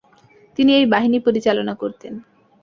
তিনি এই বাহিনী পরিচালনা করতেন।